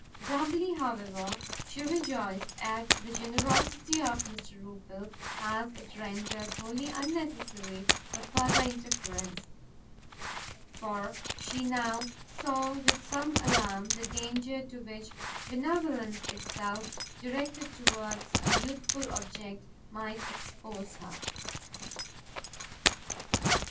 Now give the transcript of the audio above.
Doubly, however, she rejoiced at the generosity of Mr Rupil, as it rendered wholly unnecessary her further interference: for she now saw with some alarm the danger to which benevolence itself, directed towards a youthful object, might expose her.